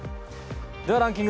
ではランキング